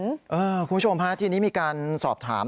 คุณผู้ชมฮะทีนี้มีการสอบถาม